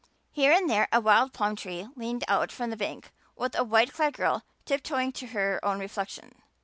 Here and there a wild plum leaned out from the bank like a white clad girl tip toeing to her own reflection.